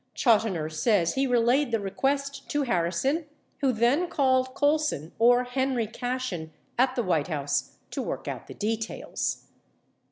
Chotiner says he relayed the request to Harrison who then called Colson or Henry Cashen at the White House to work out the details.